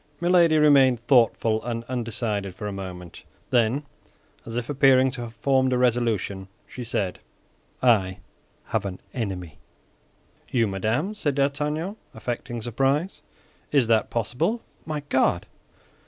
Milady remained thoughtful and undecided for a moment; then, as if appearing to have formed a resolution, she said, "I have an enemy." "You, madame!" said D'Artagnan, affecting surprise; "is that possible, my God?